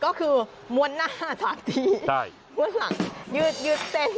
ก็คือมวลหน้า๓ทีมวลหลังยืดเต้น